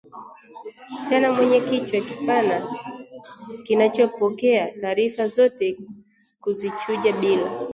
Tena mwenye kichwa kipana kinachopokea taarifa zote kuzichuja bila